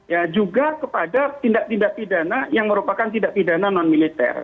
ya juga kepada tindak tindak pidana yang merupakan tindak pidana non militer